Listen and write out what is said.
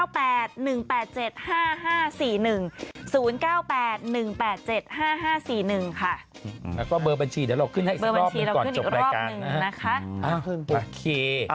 แล้วก็เบอร์บัญชีเดี๋ยวเราขึ้นให้อีกรอบหนึ่งก่อนจบรายการนะคะ